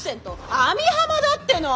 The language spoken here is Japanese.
網浜だっての！